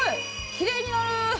きれいになる！